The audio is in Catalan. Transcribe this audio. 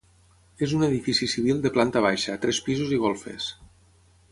És un edifici civil de planta baixa, tres pisos i golfes.